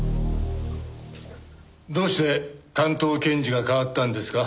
どうして担当検事が代わったんですか？